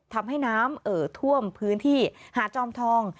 ทำให้น้ำเอ่อท่วมพื้นที่หาดจอมทอง